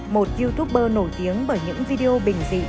một youtuber nổi tiếng bởi những video bình dị